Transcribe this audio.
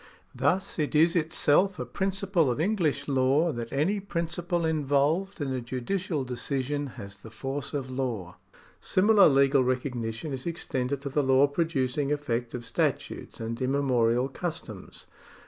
Thus it is itself a principle of English law that any 120 THE SOURCES OF LAW [§ 45 principle involved in a judicial decision has the force of law. Similar legal recognition is extended to the law producing effect of statutes and immemorial customs.